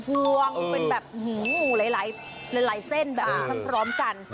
เป็นแบบหงูหลายเส้นแบบพร้อมกัน